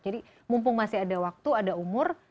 jadi mumpung masih ada waktu ada umur